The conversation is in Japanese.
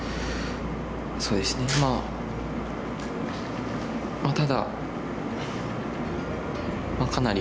そうですねまあ